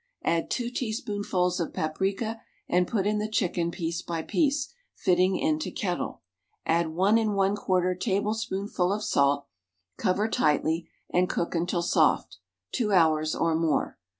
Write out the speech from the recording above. Add two teaspoonsful of paprika and put in the chicken piece by piece, fitting into kettle; add iJ4 tablespoonsful of salt, cover tightly and cook until soft (two hours or more).